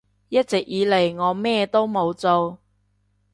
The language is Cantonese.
一直以嚟我咩都冇做